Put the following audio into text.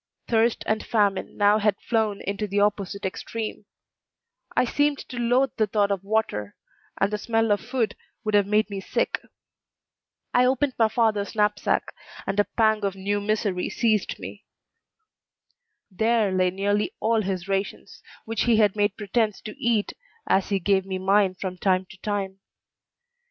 Thirst and famine now had flown into the opposite extreme; I seemed to loathe the thought of water, and the smell of food would have made me sick. I opened my father's knapsack, and a pang of new misery seized me. There lay nearly all his rations, which he had made pretense to eat as he gave me mine from time to time.